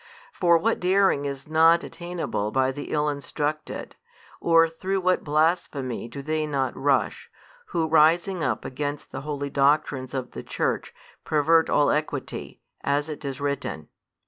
For what daring is not attainable by the ill instructed, or through what blasphemy do they not rush, who rising up against the holy doctrines of the Church, pervert all equity, as it is written?